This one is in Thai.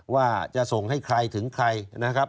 ว่าจะส่งให้ใครถึงใครนะครับ